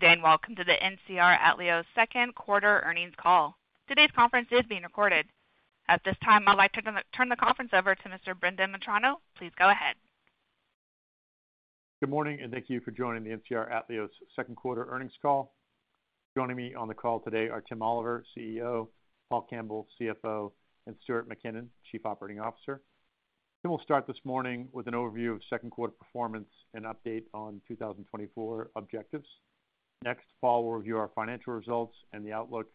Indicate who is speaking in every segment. Speaker 1: Good day, and welcome to the NCR Atleos second quarter earnings call. Today's conference is being recorded. At this time, I'd like to turn the conference over to Mr. Brendan Metrano. Please go ahead.
Speaker 2: Good morning, and thank you for joining the NCR Atleos second quarter earnings call. Joining me on the call today are Tim Oliver, CEO; Paul Campbell, CFO; and Stuart Mackinnon, Chief Operating Officer. Then we'll start this morning with an overview of second quarter performance and update on 2024 objectives. Next, Paul will review our financial results and the outlook,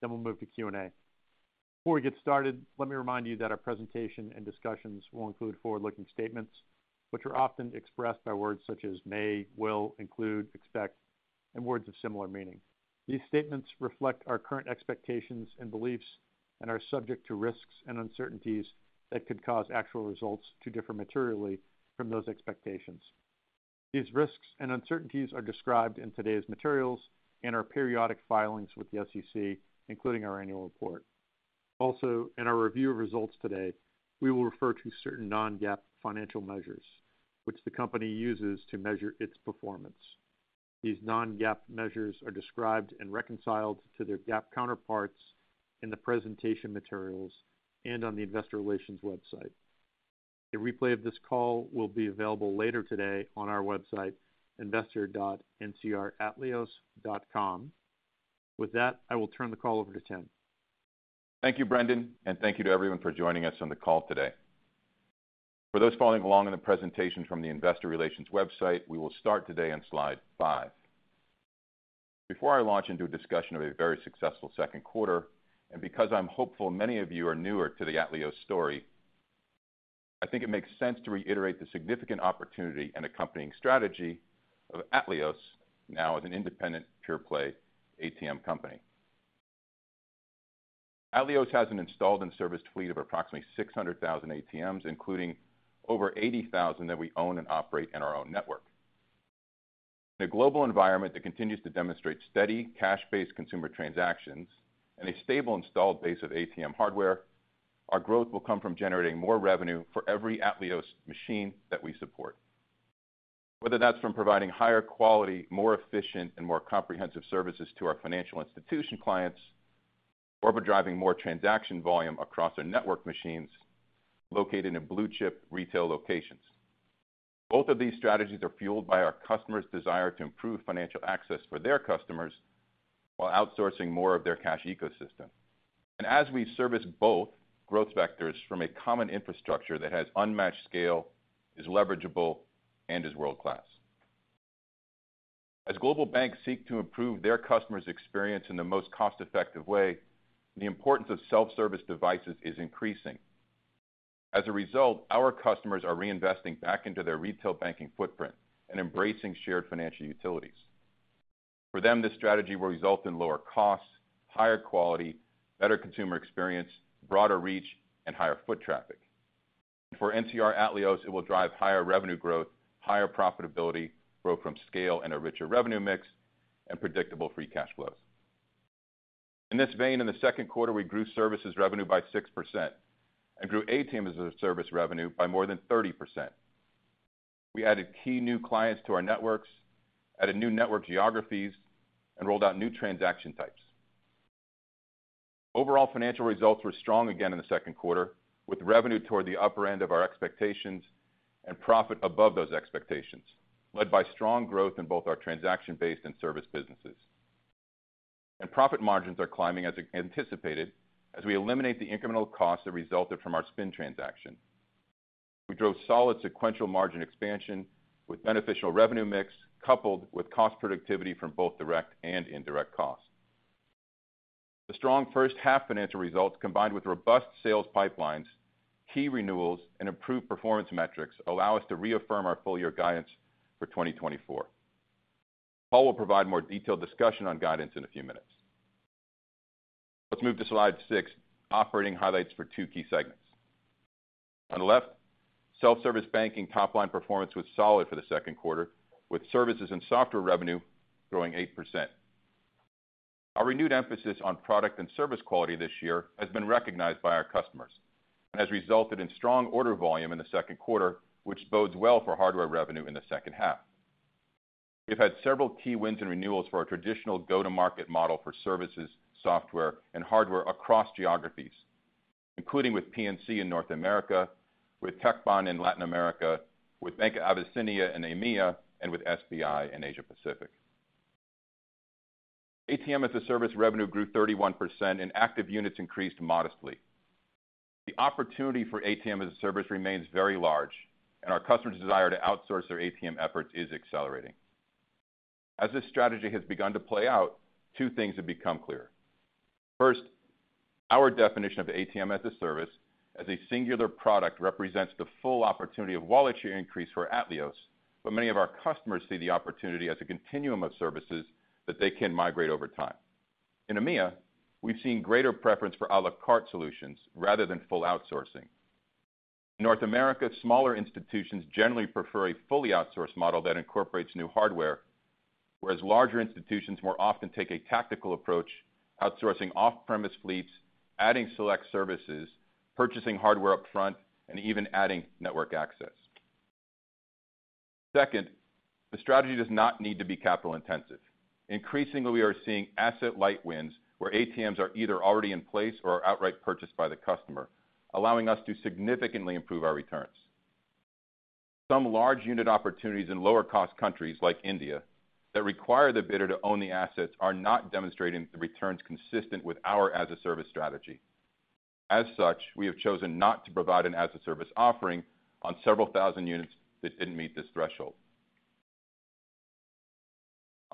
Speaker 2: then we'll move to Q&A. Before we get started, let me remind you that our presentation and discussions will include forward-looking statements, which are often expressed by words such as may, will, include, expect, and words of similar meaning. These statements reflect our current expectations and beliefs and are subject to risks and uncertainties that could cause actual results to differ materially from those expectations. These risks and uncertainties are described in today's materials and our periodic filings with the SEC, including our annual report. Also, in our review of results today, we will refer to certain Non-GAAP financial measures, which the company uses to measure its performance. These Non-GAAP measures are described and reconciled to their GAAP counterparts in the presentation materials and on the investor relations website. A replay of this call will be available later today on our website, investor.ncratleos.com. With that, I will turn the call over to Tim.
Speaker 3: Thank you, Brendan, and thank you to everyone for joining us on the call today. For those following along in the presentation from the investor relations website, we will start today on slide 5. Before I launch into a discussion of a very successful second quarter, and because I'm hopeful many of you are newer to the Atleos story, I think it makes sense to reiterate the significant opportunity and accompanying strategy of Atleos, now as an independent, pure-play ATM company. Atleos has an installed and serviced fleet of approximately 600,000 ATMs, including over 80,000 that we own and operate in our own network. In a global environment that continues to demonstrate steady, cash-based consumer transactions and a stable installed base of ATM hardware, our growth will come from generating more revenue for every Atleos machine that we support, whether that's from providing higher quality, more efficient, and more comprehensive services to our financial institution clients, or by driving more transaction volume across our network machines located in blue-chip retail locations. Both of these strategies are fueled by our customers' desire to improve financial access for their customers while outsourcing more of their cash ecosystem. As we service both growth vectors from a common infrastructure that has unmatched scale, is leverageable, and is world-class. As global banks seek to improve their customers' experience in the most cost-effective way, the importance of self-service devices is increasing. As a result, our customers are reinvesting back into their retail banking footprint and embracing shared financial utilities. For them, this strategy will result in lower costs, higher quality, better consumer experience, broader reach, and higher foot traffic. For NCR Atleos, it will drive higher revenue growth, higher profitability, growth from scale, and a richer revenue mix, and predictable free cash flows. In this vein, in the second quarter, we grew services revenue by 6% and grew ATM as a Service revenue by more than 30%. We added key new clients to our networks, added new network geographies, and rolled out new transaction types. Overall, financial results were strong again in the second quarter, with revenue toward the upper end of our expectations and profit above those expectations, led by strong growth in both our transaction-based and service businesses. Profit margins are climbing as anticipated, as we eliminate the incremental costs that resulted from our spin transaction. We drove solid sequential margin expansion with beneficial revenue mix, coupled with cost productivity from both direct and indirect costs. The strong first half financial results, combined with robust sales pipelines, key renewals, and improved performance metrics, allow us to reaffirm our full year guidance for 2024. Paul will provide more detailed discussion on guidance in a few minutes. Let's move to slide 6, operating highlights for 2 key segments. On the left, self-service banking top-line performance was solid for the second quarter, with services and software revenue growing 8%. Our renewed emphasis on product and service quality this year has been recognized by our customers and has resulted in strong order volume in the second quarter, which bodes well for hardware revenue in the second half. We've had several key wins and renewals for our traditional go-to-market model for services, software, and hardware across geographies, including with PNC in North America, with TecBan in Latin America, with Bank of Abyssinia in EMEA, and with SBI in Asia Pacific. ATM as a service revenue grew 31%, and active units increased modestly. The opportunity for ATM as a service remains very large, and our customers' desire to outsource their ATM efforts is accelerating. As this strategy has begun to play out, two things have become clear. First, our definition of ATM as a service, as a singular product, represents the full opportunity of wallet share increase for Atleos, but many of our customers see the opportunity as a continuum of services that they can migrate over time. In EMEA, we've seen greater preference for à la carte solutions rather than full outsourcing. In North America, smaller institutions generally prefer a fully outsourced model that incorporates new hardware, whereas larger institutions more often take a tactical approach, outsourcing off-premise fleets, adding select services, purchasing hardware upfront, and even adding network access. Second, the strategy does not need to be capital-intensive. Increasingly, we are seeing asset-light wins, where ATMs are either already in place or are outright purchased by the customer, allowing us to significantly improve our returns. Some large unit opportunities in lower-cost countries, like India, that require the bidder to own the assets, are not demonstrating the returns consistent with our as-a-service strategy. As such, we have chosen not to provide an as-a-service offering on several thousand units that didn't meet this threshold.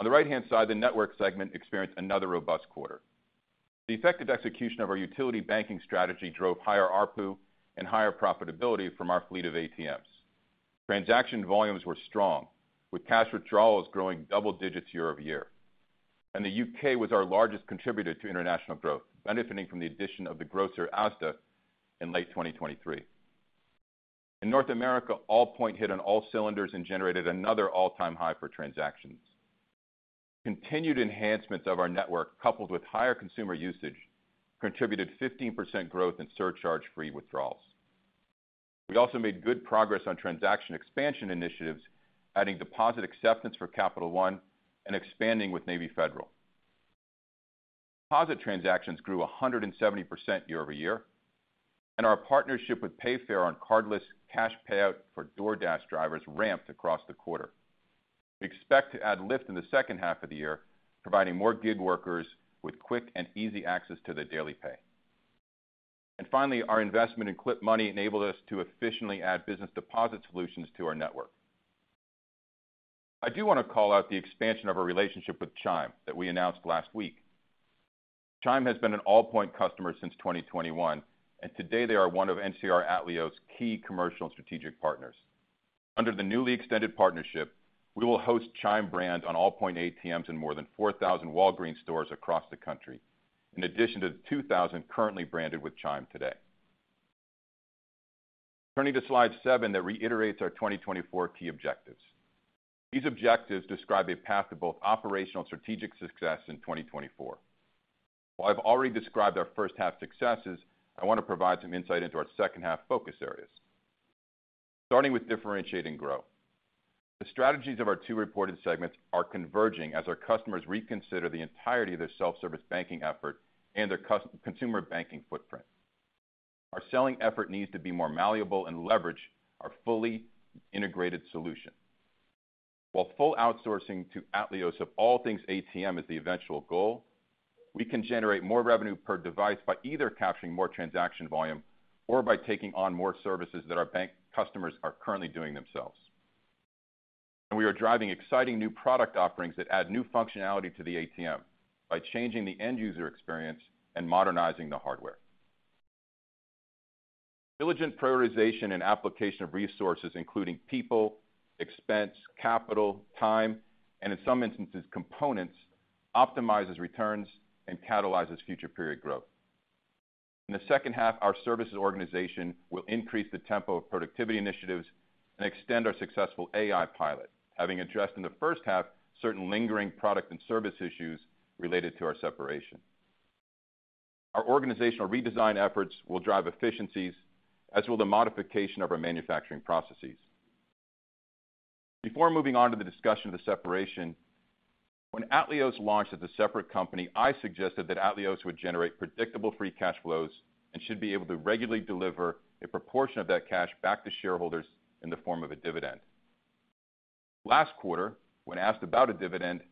Speaker 3: On the right-hand side, the network segment experienced another robust quarter. The effective execution of our utility banking strategy drove higher ARPU and higher profitability from our fleet of ATMs. Transaction volumes were strong, with cash withdrawals growing double digits year-over-year. The U.K. was our largest contributor to international growth, benefiting from the addition of the grocer Asda in late 2023. In North America, Allpoint hit on all cylinders and generated another all-time high for transactions. Continued enhancements of our network, coupled with higher consumer usage, contributed 15% growth in surcharge-free withdrawals. We also made good progress on transaction expansion initiatives, adding deposit acceptance for Capital One and expanding with Navy Federal. Deposit transactions grew 170% year-over-year, and our partnership with Payfare on cardless cash payout for DoorDash drivers ramped across the quarter. We expect to add Lyft in the second half of the year, providing more gig workers with quick and easy access to their daily pay. And finally, our investment in Clip Money enabled us to efficiently add business deposit solutions to our network. I do want to call out the expansion of our relationship with Chime that we announced last week. Chime has been an Allpoint customer since 2021, and today they are one of NCR Atleos' key commercial and strategic partners. Under the newly extended partnership, we will host Chime brand on Allpoint ATMs in more than 4,000 Walgreens stores across the country, in addition to the 2,000 currently branded with Chime today. Turning to slide 7, that reiterates our 2024 key objectives. These objectives describe a path to both operational and strategic success in 2024. While I've already described our first half successes, I want to provide some insight into our second-half focus areas. Starting with differentiate and grow. The strategies of our two reported segments are converging as our customers reconsider the entirety of their self-service banking effort and their consumer banking footprint. Our selling effort needs to be more malleable and leverage our fully integrated solution. While full outsourcing to Atleos of all things ATM is the eventual goal, we can generate more revenue per device by either capturing more transaction volume or by taking on more services that our bank customers are currently doing themselves. And we are driving exciting new product offerings that add new functionality to the ATM by changing the end-user experience and modernizing the hardware. Diligent prioritization and application of resources, including people, expense, capital, time, and in some instances, components, optimizes returns and catalyzes future period growth. In the second half, our services organization will increase the tempo of productivity initiatives and extend our successful AI pilot, having addressed in the first half, certain lingering product and service issues related to our separation. Our organizational redesign efforts will drive efficiencies, as will the modification of our manufacturing processes. Before moving on to the discussion of the separation, when NCR Atleos launched as a separate company, I suggested that NCR Atleos would generate predictable free cash flows and should be able to regularly deliver a proportion of that cash back to shareholders in the form of a dividend. Last quarter, when asked about a dividend,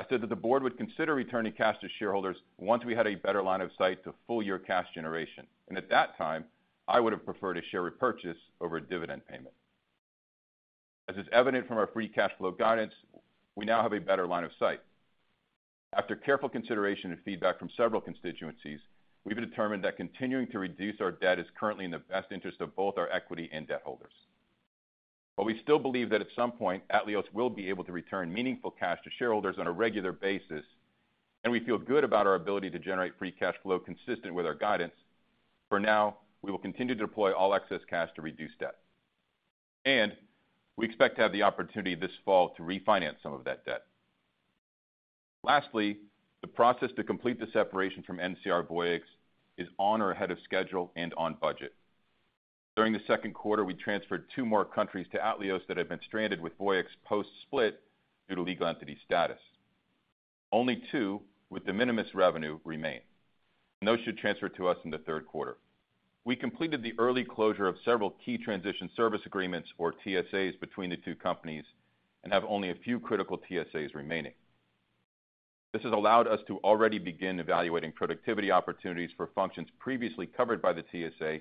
Speaker 3: I said that the board would consider returning cash to shareholders once we had a better line of sight to full-year cash generation, and at that time, I would have preferred a share repurchase over a dividend payment. As is evident from our Free Cash Flow guidance, we now have a better line of sight. After careful consideration and feedback from several constituencies, we've determined that continuing to reduce our debt is currently in the best interest of both our equity and debt holders. While we still believe that at some point, Atleos will be able to return meaningful cash to shareholders on a regular basis, and we feel good about our ability to generate free cash flow consistent with our guidance, for now, we will continue to deploy all excess cash to reduce debt, and we expect to have the opportunity this fall to refinance some of that debt. Lastly, the process to complete the separation from NCR Voyix is on or ahead of schedule and on budget. During the second quarter, we transferred two more countries to Atleos that had been stranded with Voyix post-split due to legal entity status. Only two, with de minimis revenue, remain, and those should transfer to us in the third quarter. We completed the early closure of several key transition service agreements, or TSAs, between the two companies and have only a few critical TSAs remaining. This has allowed us to already begin evaluating productivity opportunities for functions previously covered by the TSA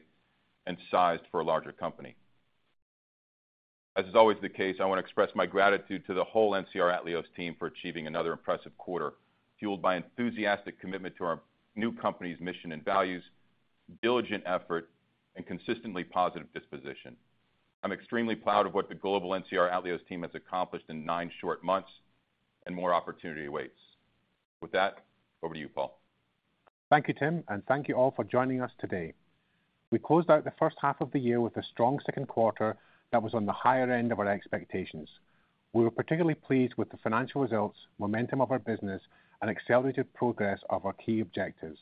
Speaker 3: and sized for a larger company. As is always the case, I want to express my gratitude to the whole NCR Atleos team for achieving another impressive quarter, fueled by enthusiastic commitment to our new company's mission and values, diligent effort, and consistently positive disposition. I'm extremely proud of what the global NCR Atleos team has accomplished in nine short months, and more opportunity awaits. With that, over to you, Paul.
Speaker 4: Thank you, Tim, and thank you all for joining us today. We closed out the first half of the year with a strong second quarter that was on the higher end of our expectations. We were particularly pleased with the financial results, momentum of our business, and accelerated progress of our key objectives.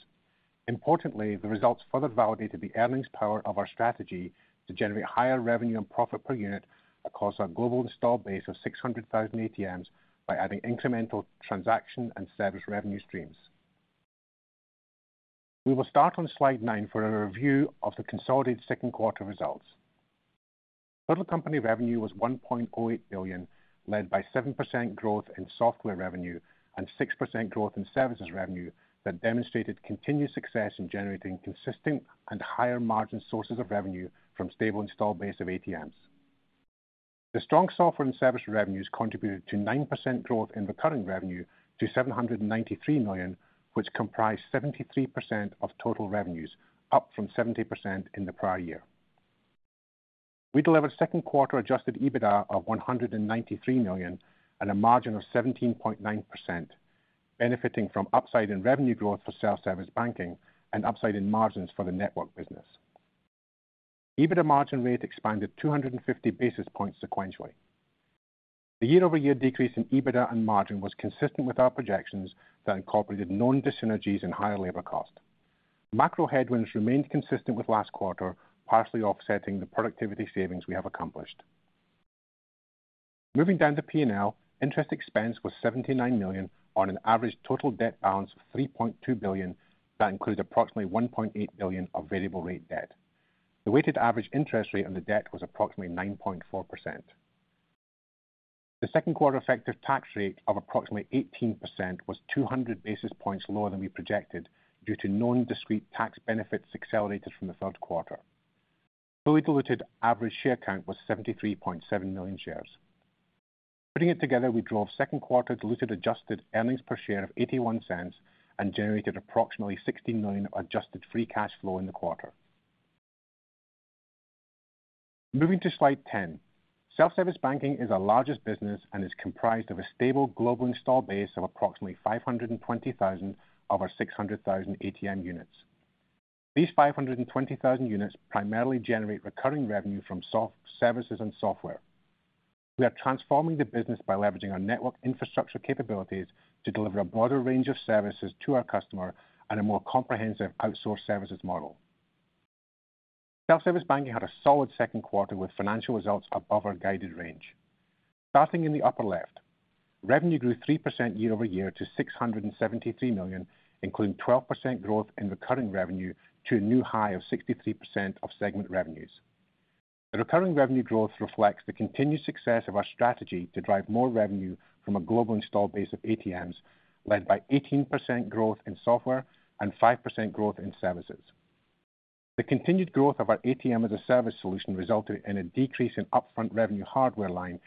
Speaker 4: Importantly, the results further validated the earnings power of our strategy to generate higher revenue and profit per unit across our global installed base of 600,000 ATMs, by adding incremental transaction and service revenue streams. We will start on slide 9 for a review of the consolidated second quarter results. Total company revenue was $1.08 billion, led by 7% growth in software revenue and 6% growth in services revenue, that demonstrated continued success in generating consistent and higher margin sources of revenue from stable installed base of ATMs. The strong software and service revenues contributed to 9% growth in recurring revenue to $793 million, which comprised 73% of total revenues, up from 70% in the prior year. We delivered second quarter adjusted EBITDA of $193 million at a margin of 17.9%, benefiting from upside in revenue growth for self-service banking and upside in margins for the network business. EBITDA margin rate expanded 250 basis points sequentially. The year-over-year decrease in EBITDA and margin was consistent with our projections that incorporated known dyssynergies and higher labor cost. Macro headwinds remained consistent with last quarter, partially offsetting the productivity savings we have accomplished. Moving down to P&L, interest expense was $79 million on an average total debt balance of $3.2 billion. That includes approximately $1.8 billion of variable rate debt. The weighted average interest rate on the debt was approximately 9.4%. The second quarter effective tax rate of approximately 18% was 200 basis points lower than we projected, due to known discrete tax benefits accelerated from the third quarter. Fully diluted average share count was 73.7 million shares. Putting it together, we drove second quarter diluted adjusted earnings per share of $0.81 and generated approximately $60 million adjusted free cash flow in the quarter. Moving to slide 10. Self-service banking is our largest business and is comprised of a stable global installed base of approximately 520,000 of our 600,000 ATM units. These 520,000 units primarily generate recurring revenue from software, services and software. We are transforming the business by leveraging our network infrastructure capabilities to deliver a broader range of services to our customer and a more comprehensive outsourced services model. Self-service banking had a solid second quarter with financial results above our guided range. Starting in the upper left, revenue grew 3% year-over-year to $673 million, including 12% growth in recurring revenue to a new high of 63% of segment revenues. The recurring revenue growth reflects the continued success of our strategy to drive more revenue from a global installed base of ATMs, led by 18% growth in software and 5% growth in services. The continued growth of our ATM as a Service solution resulted in a decrease in upfront revenue hardware line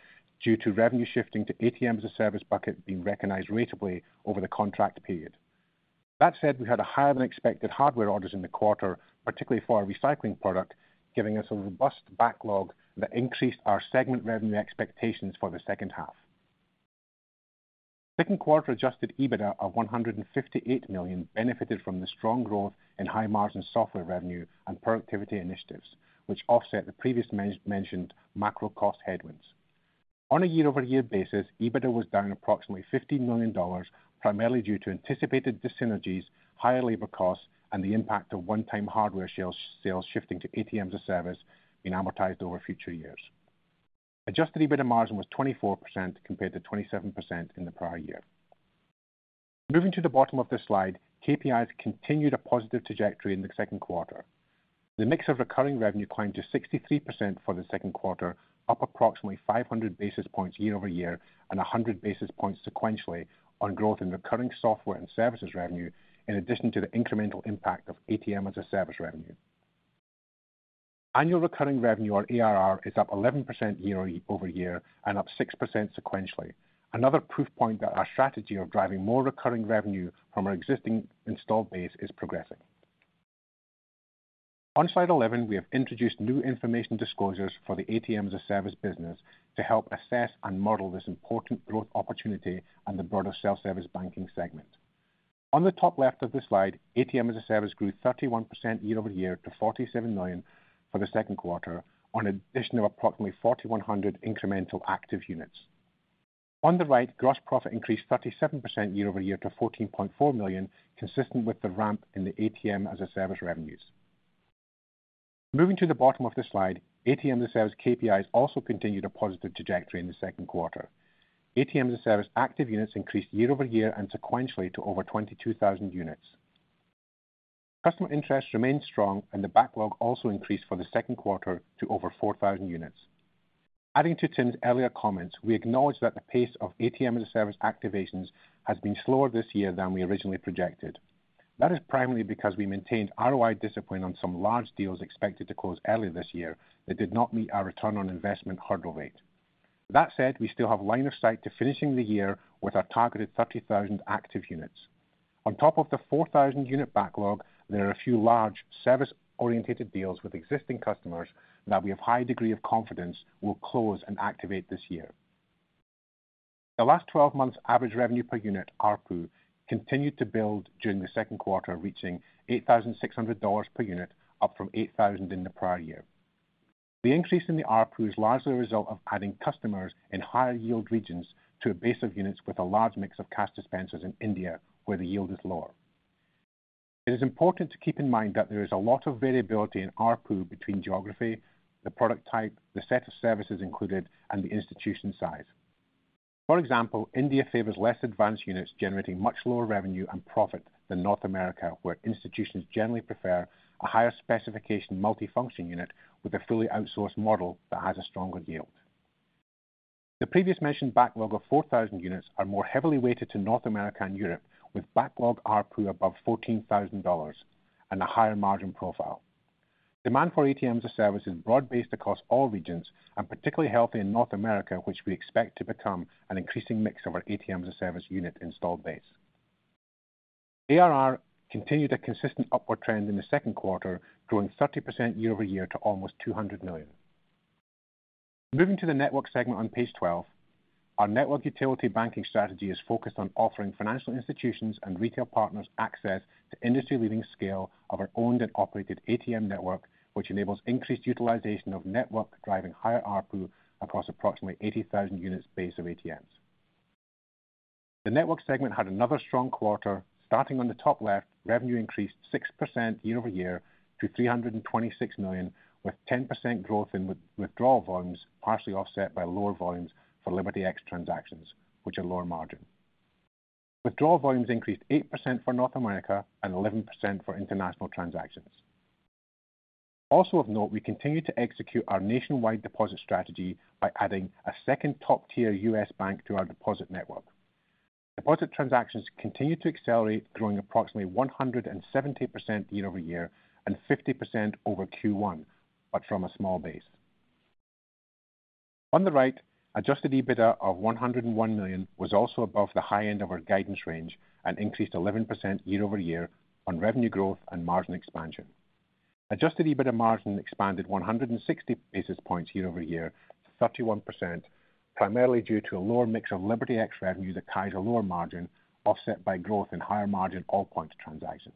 Speaker 4: due to revenue shifting to ATM as a Service bucket being recognized ratably over the contract period. That said, we had a higher than expected hardware orders in the quarter, particularly for our recycling product, giving us a robust backlog that increased our segment revenue expectations for the second half. Second quarter Adjusted EBITDA of $158 million benefited from the strong growth in high-margin software revenue and productivity initiatives, which offset the previously mentioned macro cost headwinds. On a year-over-year basis, EBITDA was down approximately $15 million, primarily due to anticipated dyssynergies, higher labor costs, and the impact of one-time hardware sales, sales shifting to ATMs as a Service being amortized over future years. Adjusted EBITDA margin was 24%, compared to 27% in the prior year. Moving to the bottom of this slide, KPIs continued a positive trajectory in the second quarter. The mix of recurring revenue climbed to 63% for the second quarter, up approximately 500 basis points year-over-year, and 100 basis points sequentially on growth in recurring software and services revenue, in addition to the incremental impact of ATM as a Service revenue. Annual recurring revenue, or ARR, is up 11% year-over-year, and up 6% sequentially. Another proof point that our strategy of driving more recurring revenue from our existing installed base is progressing. On slide 11, we have introduced new information disclosures for the ATM as a Service business to help assess and model this important growth opportunity and the broader self-service banking segment. On the top left of the slide, ATM as a Service grew 31% year-over-year to $47 million for the second quarter, on an addition of approximately 4,100 incremental active units. On the right, gross profit increased 37% year-over-year to $14.4 million, consistent with the ramp in the ATM as a Service revenues. Moving to the bottom of the slide, ATM as a Service KPIs also continued a positive trajectory in the second quarter. ATM as a Service active units increased year-over-year and sequentially to over 22,000 units. Customer interest remained strong, and the backlog also increased for the second quarter to over 4,000 units. Adding to Tim's earlier comments, we acknowledge that the pace of ATM as a Service activations has been slower this year than we originally projected. That is primarily because we maintained ROI discipline on some large deals expected to close earlier this year, that did not meet our return on investment hurdle rate. That said, we still have line of sight to finishing the year with our targeted 30,000 active units. On top of the 4,000 unit backlog, there are a few large service-oriented deals with existing customers that we have high degree of confidence will close and activate this year. The last 12 months average revenue per unit, ARPU, continued to build during the second quarter, reaching $8,600 per unit, up from $8,000 in the prior year.... The increase in the ARPU is largely a result of adding customers in higher yield regions to a base of units with a large mix of cash dispensers in India, where the yield is lower. It is important to keep in mind that there is a lot of variability in ARPU between geography, the product type, the set of services included, and the institution size. For example, India favors less advanced units, generating much lower revenue and profit than North America, where institutions generally prefer a higher specification multifunction unit with a fully outsourced model that has a stronger yield. The previously mentioned backlog of 4,000 units are more heavily weighted to North America and Europe, with backlog ARPU above $14,000 and a higher margin profile. Demand for ATM as a Service is broad-based across all regions, and particularly healthy in North America, which we expect to become an increasing mix of our ATM as a Service unit installed base. ARR continued a consistent upward trend in the second quarter, growing 30% year-over-year to almost $200 million. Moving to the network segment on page 12, our network utility banking strategy is focused on offering financial institutions and retail partners access to industry-leading scale of our owned and operated ATM network, which enables increased utilization of network, driving higher ARPU across approximately 80,000 units base of ATMs. The network segment had another strong quarter. Starting on the top left, revenue increased 6% year-over-year to $326 million, with 10% growth in withdrawal volumes, partially offset by lower volumes for LibertyX transactions, which are lower margin. Withdrawal volumes increased 8% for North America and 11% for international transactions. Also of note, we continue to execute our nationwide deposit strategy by adding a second top-tier US bank to our deposit network. Deposit transactions continue to accelerate, growing approximately 170% year-over-year, and 50% over Q1, but from a small base. On the right, Adjusted EBITDA of $101 million was also above the high end of our guidance range and increased 11% year-over-year on revenue growth and margin expansion. Adjusted EBITDA margin expanded 160 basis points year-over-year to 31%, primarily due to a lower mix of LibertyX revenues that carries a lower margin, offset by growth in higher margin Allpoint transactions.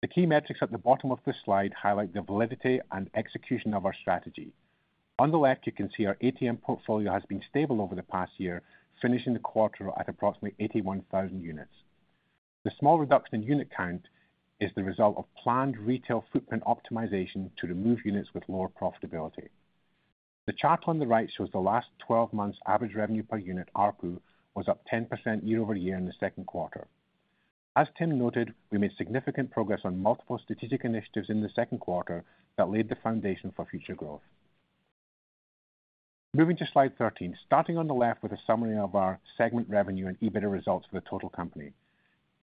Speaker 4: The key metrics at the bottom of this slide highlight the validity and execution of our strategy. On the left, you can see our ATM portfolio has been stable over the past year, finishing the quarter at approximately 81,000 units. The small reduction in unit count is the result of planned retail footprint optimization to remove units with lower profitability. The chart on the right shows the last 12 months average revenue per unit ARPU was up 10% year-over-year in the second quarter. As Tim noted, we made significant progress on multiple strategic initiatives in the second quarter that laid the foundation for future growth. Moving to slide 13. Starting on the left with a summary of our segment revenue and EBITDA results for the total company.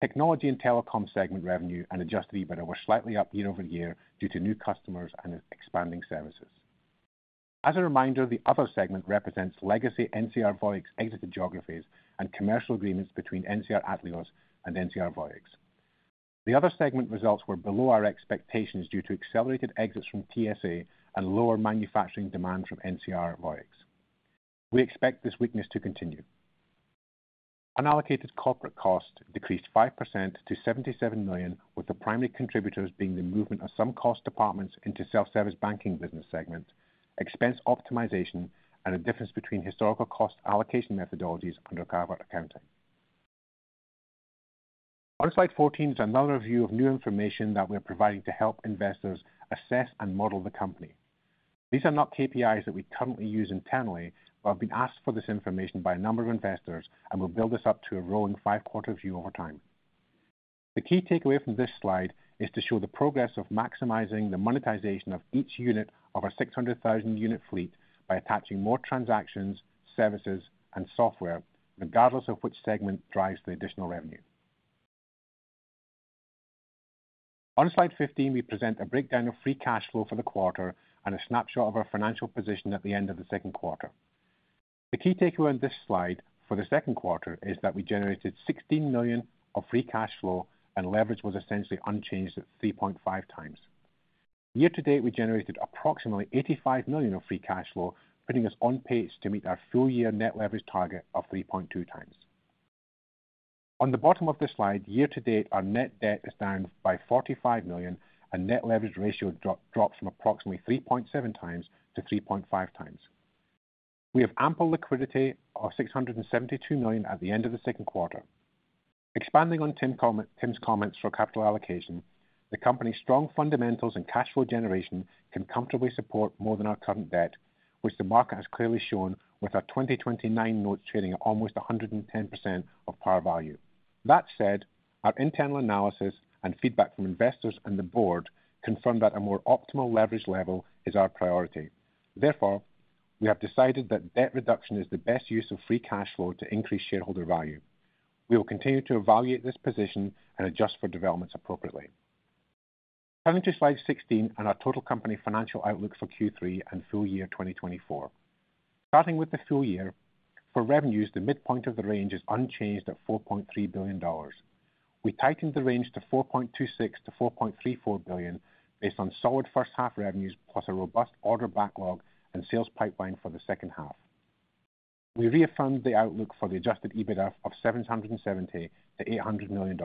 Speaker 4: Technology and telecom segment revenue and Adjusted EBITDA were slightly up year-over-year due to new customers and expanding services. As a reminder, the other segment represents legacy NCR Voyix exited geographies and commercial agreements between NCR Atleos and NCR Voyix. The other segment results were below our expectations due to accelerated exits from TSA and lower manufacturing demand from NCR Voyix. We expect this weakness to continue. Unallocated corporate costs decreased 5% to $77 million, with the primary contributors being the movement of some cost departments into self-service banking business segment, expense optimization, and a difference between historical cost allocation methodologies under carve-out accounting. On Slide 14 is another view of new information that we are providing to help investors assess and model the company. These are not KPIs that we currently use internally, but have been asked for this information by a number of investors, and we'll build this up to a rolling 5-quarter view over time. The key takeaway from this slide is to show the progress of maximizing the monetization of each unit of our 600,000 unit fleet by attaching more transactions, services, and software, regardless of which segment drives the additional revenue. On slide 15, we present a breakdown of free cash flow for the quarter and a snapshot of our financial position at the end of the second quarter. The key takeaway on this slide for the second quarter is that we generated $16 million of free cash flow, and leverage was essentially unchanged at 3.5 times. Year to date, we generated approximately $85 million of free cash flow, putting us on pace to meet our full-year net leverage target of 3.2 times. On the bottom of this slide, year to date, our net debt is down by $45 million, and net leverage ratio drops from approximately 3.7 times to 3.5 times. We have ample liquidity of $672 million at the end of the second quarter. Expanding on Tim's comments for capital allocation, the company's strong fundamentals and cash flow generation can comfortably support more than our current debt, which the market has clearly shown with our 2029 notes trading at almost 110% of par value. That said, our internal analysis and feedback from investors and the board confirmed that a more optimal leverage level is our priority. Therefore, we have decided that debt reduction is the best use of free cash flow to increase shareholder value. We will continue to evaluate this position and adjust for developments appropriately. Coming to slide 16 and our total company financial outlook for Q3 and full year 2024. Starting with the full year, for revenues, the midpoint of the range is unchanged at $4.3 billion. We tightened the range to $4.26 billion-$4.34 billion based on solid first-half revenues, plus a robust order backlog and sales pipeline for the second half. We reaffirm the outlook for the Adjusted EBITDA of $770 million-$800 million.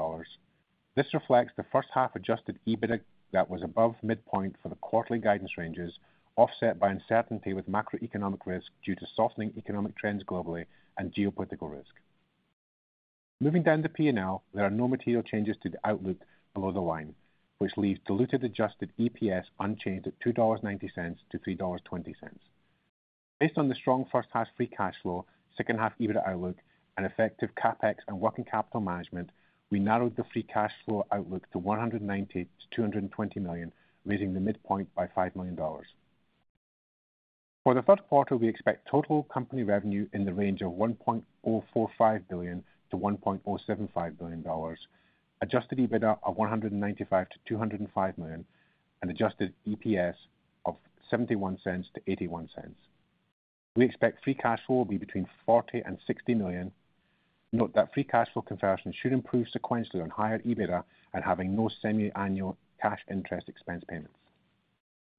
Speaker 4: This reflects the first-half Adjusted EBITDA that was above midpoint for the quarterly guidance ranges, offset by uncertainty with macroeconomic risk due to softening economic trends globally and geopolitical risk. Moving down to P&L, there are no material changes to the outlook below the line, which leaves diluted adjusted EPS unchanged at $2.90-$3.20. Based on the strong first half free cash flow, second half EBITDA outlook, and effective CapEx and working capital management, we narrowed the free cash flow outlook to $190 million-$220 million, raising the midpoint by $5 million. For the third quarter, we expect total company revenue in the range of $1.045 billion-$1.075 billion, adjusted EBITDA of $195 million-$205 million, and adjusted EPS of $0.71-$0.81. We expect free cash flow will be between $40 million and $60 million. Note that free cash flow conversion should improve sequentially on higher EBITDA and having no semiannual cash interest expense payments.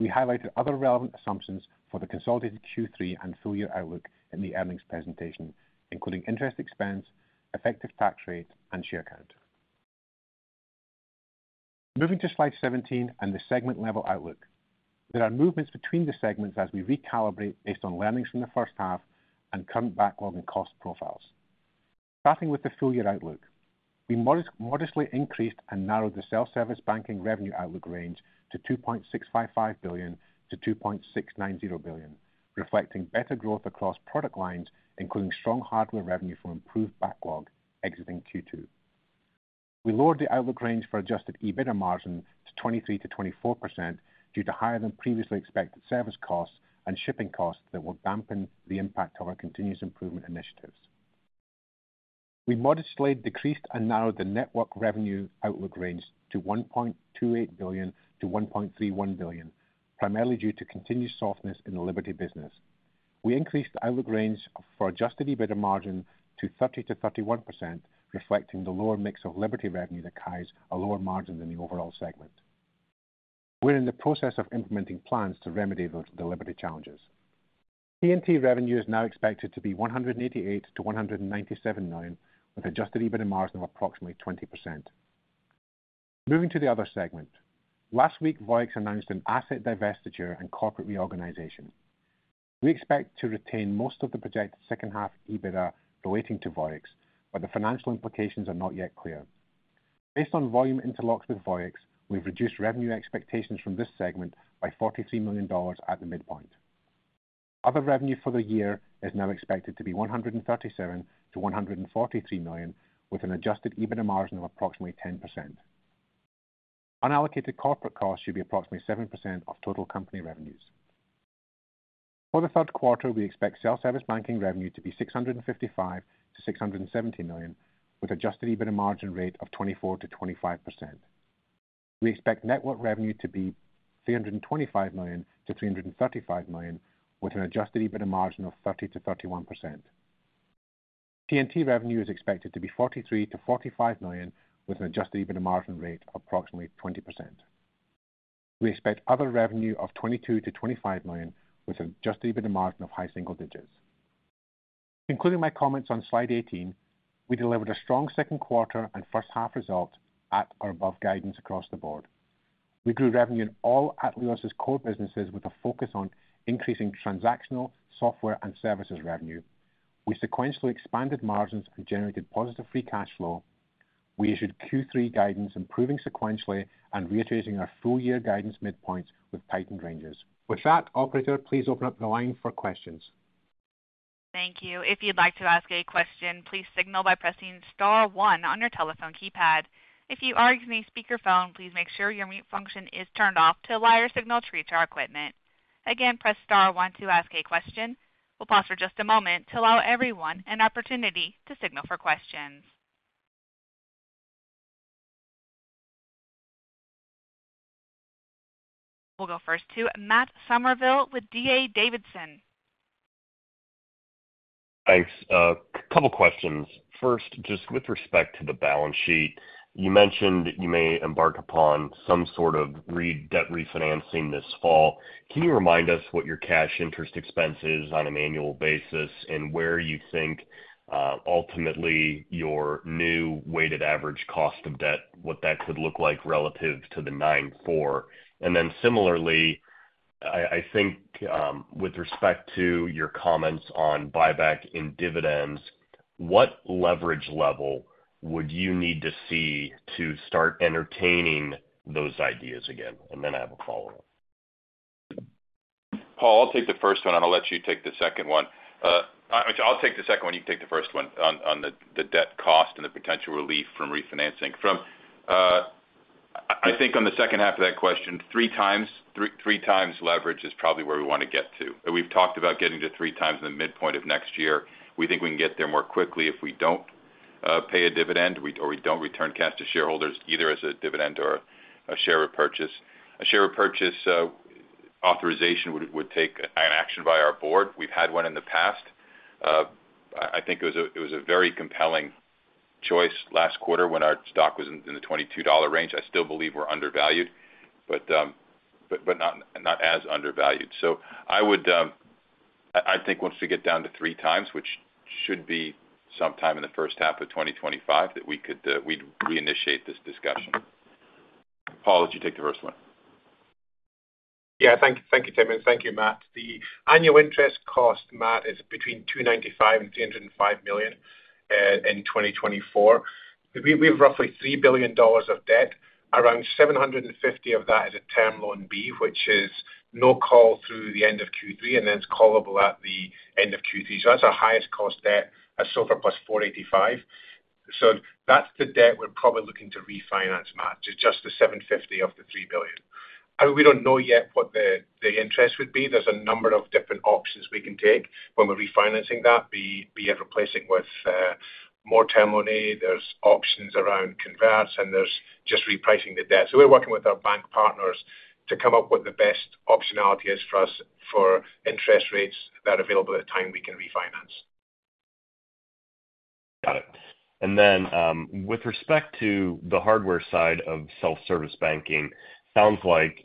Speaker 4: We highlighted other relevant assumptions for the consolidated Q3 and full year outlook in the earnings presentation, including interest expense, effective tax rate, and share count. Moving to slide 17 and the segment level outlook. There are movements between the segments as we recalibrate based on learnings from the first half and current backlog and cost profiles. Starting with the full year outlook, we modestly increased and narrowed the self-service banking revenue outlook range to $2.655 billion-$2.690 billion, reflecting better growth across product lines, including strong hardware revenue from improved backlog exiting Q2. We lowered the outlook range for Adjusted EBITDA margin to 23%-24% due to higher than previously expected service costs and shipping costs that will dampen the impact of our continuous improvement initiatives. We modestly decreased and narrowed the network revenue outlook range to $1.28 billion-$1.31 billion, primarily due to continued softness in the Liberty business. We increased the outlook range for Adjusted EBITDA margin to 30%-31%, reflecting the lower mix of Liberty revenue that carries a lower margin than the overall segment. We're in the process of implementing plans to remedy those Liberty challenges. TNT revenue is now expected to be $188 million-$197 million, with Adjusted EBITDA margin of approximately 20%. Moving to the other segment. Last week, Voyix announced an asset divestiture and corporate reorganization. We expect to retain most of the projected second half EBITDA relating to Voyix, but the financial implications are not yet clear. Based on volume interlocks with Voyix, we've reduced revenue expectations from this segment by $43 million at the midpoint. Other revenue for the year is now expected to be $137 million-$143 million, with an adjusted EBITDA margin of approximately 10%. Unallocated corporate costs should be approximately 7% of total company revenues. For the third quarter, we expect self-service banking revenue to be $655 million-$670 million, with adjusted EBITDA margin rate of 24%-25%. We expect network revenue to be $325 million-$335 million, with an adjusted EBITDA margin of 30%-31%. TNT revenue is expected to be $43 million-$45 million, with an adjusted EBITDA margin rate of approximately 20%. We expect other revenue of $22 million-$25 million, with adjusted EBITDA margin of high single digits. Concluding my comments on slide 18, we delivered a strong second quarter and first half result at or above guidance across the board. We grew revenue in all Atleos's core businesses with a focus on increasing transactional, software, and services revenue. We sequentially expanded margins and generated positive free cash flow. We issued Q3 guidance, improving sequentially and reiterating our full year guidance midpoints with tightened ranges. With that, operator, please open up the line for questions.
Speaker 1: Thank you. If you'd like to ask a question, please signal by pressing star one on your telephone keypad. If you are using a speakerphone, please make sure your mute function is turned off to allow your signal to reach our equipment. Again, press star one to ask a question. We'll pause for just a moment to allow everyone an opportunity to signal for questions. We'll go first to Matt Summerville with D.A. Davidson.
Speaker 5: Thanks. A couple questions. First, just with respect to the balance sheet, you mentioned you may embark upon some sort of re-debt refinancing this fall. Can you remind us what your cash interest expense is on an annual basis, and where you think, ultimately, your new weighted average cost of debt, what that could look like relative to the 9.4? And then similarly, I think, with respect to your comments on buyback and dividends, what leverage level would you need to see to start entertaining those ideas again? And then I have a follow-up.
Speaker 3: Paul, I'll take the first one, and I'll let you take the second one. I'll take the second one, you can take the first one on the debt cost and the potential relief from refinancing. I think on the second half of that question, three times leverage is probably where we wanna get to. We've talked about getting to three times in the midpoint of next year. We think we can get there more quickly if we don't pay a dividend or we don't return cash to shareholders, either as a dividend or a share repurchase. A share repurchase authorization would take an action by our board. We've had one in the past. I think it was a very compelling-... Choice last quarter when our stock was in the $22 range. I still believe we're undervalued, but not as undervalued. So I would, I think once we get down to 3 times, which should be sometime in the first half of 2025, that we could, we'd reinitiate this discussion. Paul, would you take the first one?
Speaker 4: Yeah. Thank you, Tim, and thank you, Matt. The annual interest cost, Matt, is between $295 million and $305 million in 2024. We have roughly $3 billion of debt. Around 750 of that is a Term Loan B, which is no call through the end of Q3, and then it's callable at the end of Q3. So that's our highest cost debt, that's SOFR + 485. So that's the debt we're probably looking to refinance, Matt, to just the 750 of the $3 billion. And we don't know yet what the interest would be. There's a number of different options we can take when we're refinancing that, be it replacing with more Term Loan A, there's options around converts, and there's just repricing the debt. We're working with our bank partners to come up with the best optionality as for us for interest rates that are available at the time we can refinance.
Speaker 5: Got it. And then, with respect to the hardware side of self-service banking, sounds like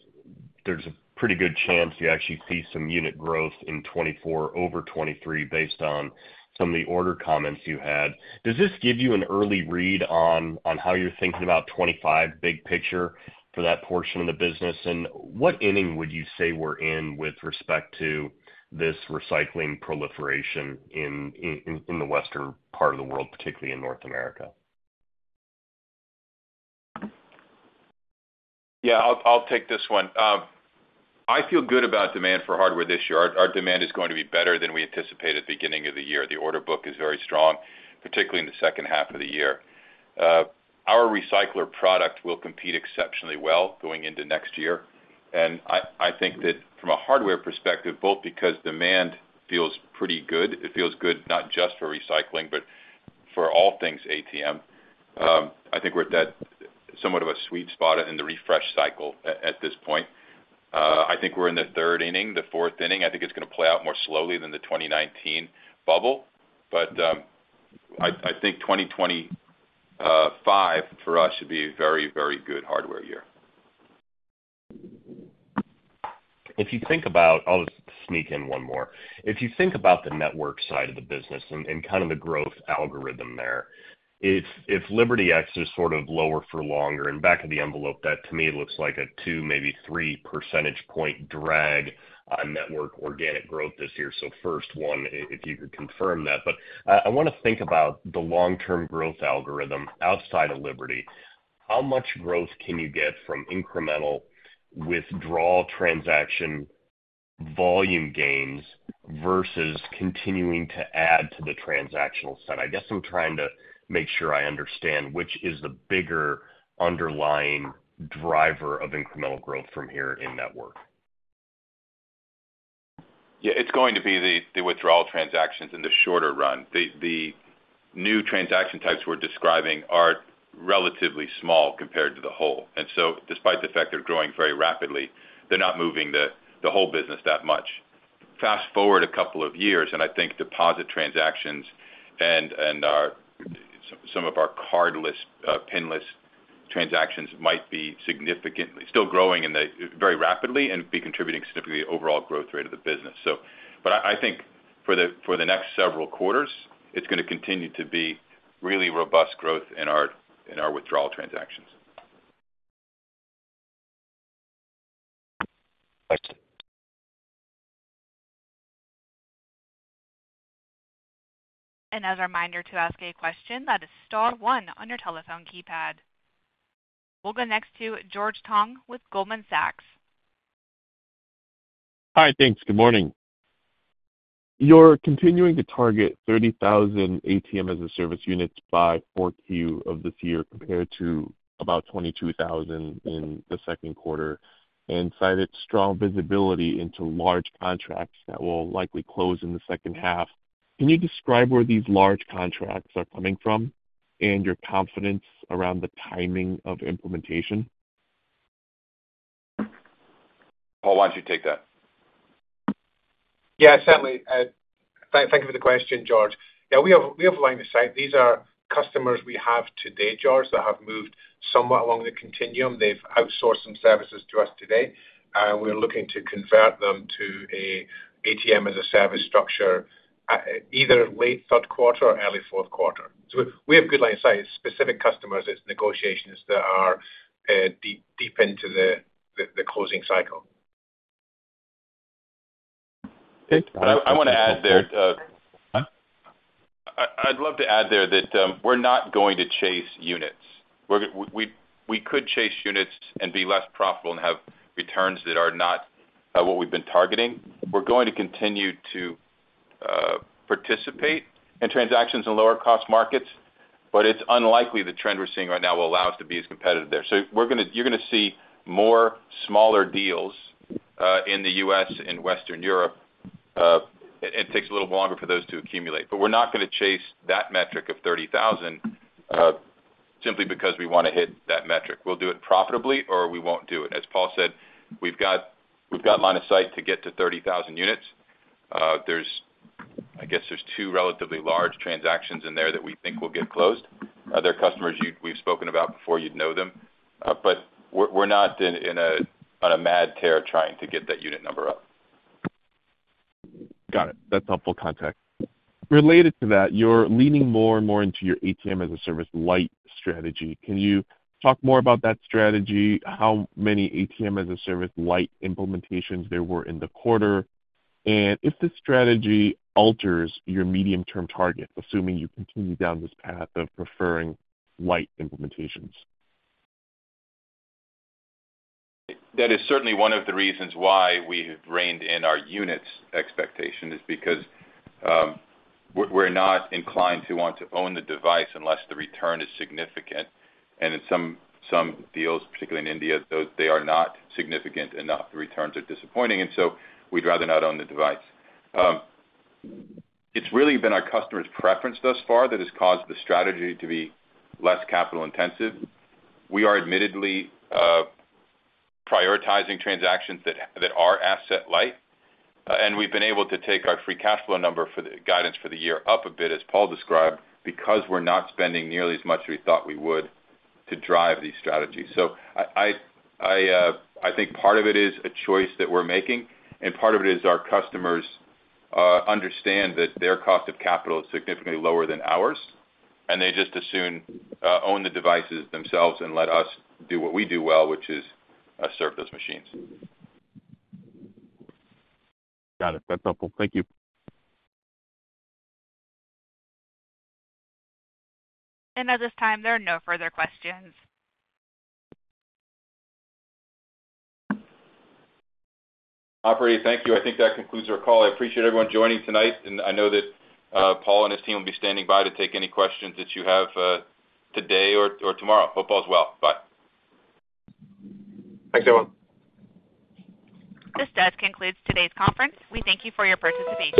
Speaker 5: there's a pretty good chance you actually see some unit growth in 2024 over 2023, based on some of the order comments you had. Does this give you an early read on how you're thinking about 2025, big picture for that portion of the business? And what inning would you say we're in with respect to this recycling proliferation in the western part of the world, particularly in North America?
Speaker 3: Yeah, I'll take this one. I feel good about demand for hardware this year. Our demand is going to be better than we anticipated at the beginning of the year. The order book is very strong, particularly in the second half of the year. Our recycler product will compete exceptionally well going into next year. And I think that from a hardware perspective, both because demand feels pretty good, it feels good not just for recycling, but for all things ATM, I think we're at somewhat of a sweet spot in the refresh cycle at this point. I think we're in the third inning, the fourth inning. I think it's gonna play out more slowly than the 2019 bubble. But I think 2025, for us, should be a very, very good hardware year.
Speaker 5: If you think about... I'll just sneak in one more. If you think about the network side of the business and kind of the growth algorithm there, if LibertyX is sort of lower for longer, and back of the envelope, that to me looks like a 2, maybe 3 percentage point drag on network organic growth this year. So first one, if you could confirm that. But I want to think about the long-term growth algorithm outside of LibertyX. How much growth can you get from incremental withdrawal transaction volume gains versus continuing to add to the transactional side? I guess I'm trying to make sure I understand, which is the bigger underlying driver of incremental growth from here in network?
Speaker 3: Yeah, it's going to be the withdrawal transactions in the shorter run. The new transaction types we're describing are relatively small compared to the whole. And so despite the fact they're growing very rapidly, they're not moving the whole business that much. Fast forward a couple of years, and I think deposit transactions and some of our cardless PINless transactions might be significantly still growing very rapidly and be contributing significantly to overall growth rate of the business, so. But I think for the next several quarters, it's gonna continue to be really robust growth in our withdrawal transactions.
Speaker 5: Thank you.
Speaker 1: As a reminder, to ask a question, that is star one on your telephone keypad. We'll go next to George Tong with Goldman Sachs.
Speaker 6: Hi, thanks. Good morning. You're continuing to target 30,000 ATM as a Service units by 4Q of this year, compared to about 22,000 in the second quarter, and cited strong visibility into large contracts that will likely close in the second half. Can you describe where these large contracts are coming from, and your confidence around the timing of implementation?
Speaker 3: Paul, why don't you take that?
Speaker 4: Yeah, certainly. Thank you for the question, George. Yeah, we have line of sight. These are customers we have today, George, that have moved somewhat along the continuum. They've outsourced some services to us today, and we're looking to convert them to an ATM as a Service structure either late third quarter or early fourth quarter. So we have good line of sight. It's specific customers, it's negotiations that are deep into the closing cycle.
Speaker 6: Okay-
Speaker 3: I want to add there,
Speaker 6: Huh?
Speaker 3: I'd love to add there that we're not going to chase units. We could chase units and be less profitable and have returns that are not what we've been targeting. We're going to continue to participate in transactions in lower cost markets, but it's unlikely the trend we're seeing right now will allow us to be as competitive there. So we're gonna you're gonna see more smaller deals in the U.S. and Western Europe. It takes a little longer for those to accumulate. But we're not gonna chase that metric of 30,000 simply because we wanna hit that metric. We'll do it profitably or we won't do it. As Paul said, we've got line of sight to get to 30,000 units. I guess there's two relatively large transactions in there that we think will get closed. Other customers we've spoken about before, you'd know them, but we're not on a mad tear trying to get that unit number up.
Speaker 6: Got it. That's helpful context. Related to that, you're leaning more and more into your ATM as a Service light strategy. Can you talk more about that strategy? How many ATM as a Service light implementations there were in the quarter? And if this strategy alters your medium-term target, assuming you continue down this path of preferring light implementations?
Speaker 3: That is certainly one of the reasons why we have reined in our units expectation, is because we're not inclined to want to own the device unless the return is significant. And in some deals, particularly in India, those. They are not significant enough. The returns are disappointing, and so we'd rather not own the device. It's really been our customer's preference thus far that has caused the strategy to be less capital intensive. We are admittedly prioritizing transactions that are asset light, and we've been able to take our Free Cash Flow number for the guidance for the year up a bit, as Paul described, because we're not spending nearly as much as we thought we would to drive these strategies. So I think part of it is a choice that we're making, and part of it is our customers understand that their cost of capital is significantly lower than ours, and they just as soon own the devices themselves and let us do what we do well, which is serve those machines.
Speaker 6: Got it. That's helpful. Thank you.
Speaker 1: At this time, there are no further questions.
Speaker 3: Operator, thank you. I think that concludes our call. I appreciate everyone joining tonight, and I know that Paul and his team will be standing by to take any questions that you have today or tomorrow. Hope all is well. Bye.
Speaker 6: Thanks, everyone.
Speaker 1: This does conclude today's conference. We thank you for your participation.